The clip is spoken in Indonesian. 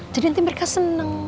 jadi nanti mereka seneng